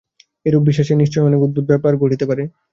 এইরূপ বিশ্বাসে নিশ্চয় অনেক অদ্ভুত ব্যাপার ঘটিতে পারে।